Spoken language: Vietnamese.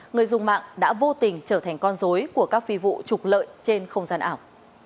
người dùng mạng đã vô tình trở thành con dối của các phi vụ trục lợi trên không gian ảo